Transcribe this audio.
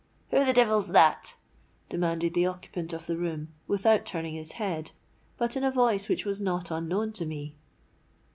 'Who the devil's that?' demanded the occupant of the room, without turning his head, but in a voice which was not unknown to me.